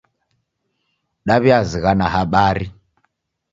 Daw'iazighana habari.